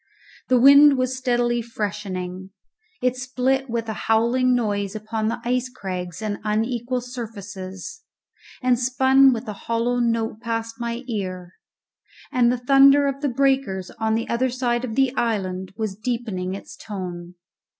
The wind was steadily freshening; it split with a howling noise upon the ice crags and unequal surfaces, and spun with a hollow note past my ear; and the thunder of the breakers on the other side of the island was deepening its tone.